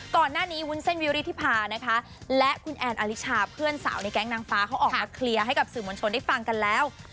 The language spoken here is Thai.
ก่อนหน้านี้วุ้นเส้นวิริธิพานะคะและคุณแอนอลิชาเพื่อนสาวในแก๊งนางฟ้าเขาออกมาเคลียร์ให้กับสื่อมวลชนได้ฟังกันแล้ว